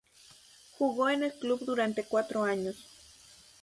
Jugó en el club durante cuatro años.